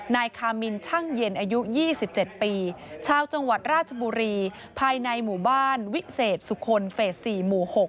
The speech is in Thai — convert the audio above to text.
นายคามินช่างเย็นอายุ๒๗ปีชาวจังหวัดราชบุรีภายในหมู่บ้านวิเศษสุคลเฟส๔หมู่๖